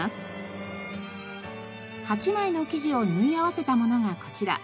８枚の生地を縫い合わせたものがこちら。